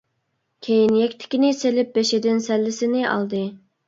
كېيىن يەكتىكىنى سېلىپ بېشىدىن سەللىسىنى ئالدى.